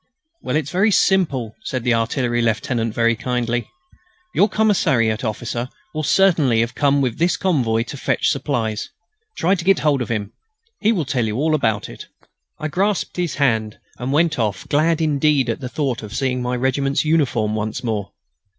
"Well, it's very simple," said the Artillery lieutenant, very kindly. "Your commissariat officer will certainly have to come with his convoy to fetch supplies. Try to get hold of him. He will tell you all about it." I grasped his hand and went off, glad indeed at the thought of seeing my regiment's uniform once more.